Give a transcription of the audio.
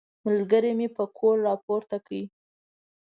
ملګري مې پکول راپورته کړ.